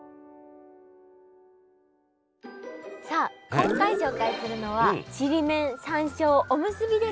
さあ今回紹介するのはちりめん山椒おむすびです！